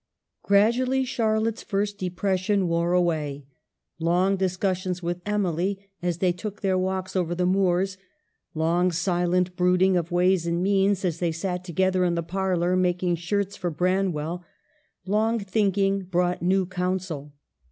Gradually Charlotte's first depression wore away. Long discussions with Emily, a,s they took their walks over the moors, long silent brooding of ways and means, as they sat to gether in the parlor making shirts for Branwell, long thinking, brought new counsel.